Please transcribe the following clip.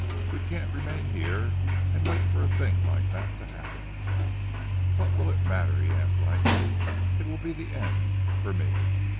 "We can't remain here and wait for a thing like that to happen." "What will it matter?" he asked lightly. "It will be the end for me.